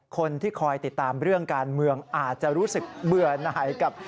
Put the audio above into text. คนที่คอยติดตามเรื่องการเมืองอาจจะรู้สึกเบื่อไหนกับ